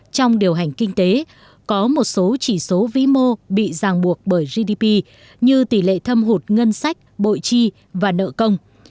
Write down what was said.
trong điều hành kinh tế có một số chỉ số vĩ mô bị ràng buộc bởi gdp như tỷ lệ thâm hụt ngân sách bội chi và nợ công